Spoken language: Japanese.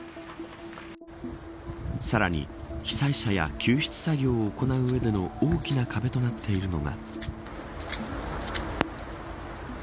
さらに、被災者や救出作業を行う上での大きな壁となっているのが。